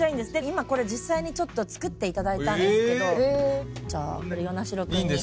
今これ実際に作っていただいたんですけどじゃあ與那城君に。